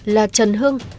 là trần hưng